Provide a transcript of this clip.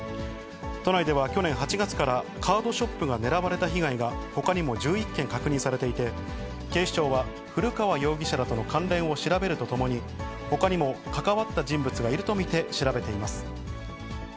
都内では去年８月から、カードショップが狙われた被害が、ほかにも１１件確認されていて、警視庁は古川容疑者らとの関連を調べるとともに、ほかにも関わった人物がいると見て調べています。